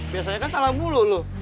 biasanya kan salah bulu lo